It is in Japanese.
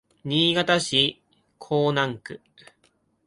新潟市江南区